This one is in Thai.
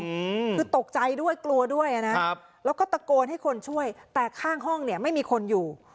อืมคือตกใจด้วยกลัวด้วยนะครับแล้วก็ตะโกนให้คนช่วยแต่ข้างห้องเนี่ยไม่มีคนอยู่